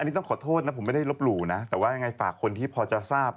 อันนี้ต้องขอโทษนะผมไม่ได้ลบหลู่นะแต่ว่ายังไงฝากคนที่พอจะทราบ